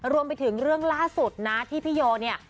รวมไปถึงเรื่องล่าสุดนะที่พี่โยเนี่ย